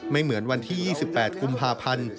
เหมือนวันที่๒๘กุมภาพันธ์